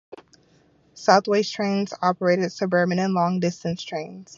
South West Trains operated suburban and long-distance trains.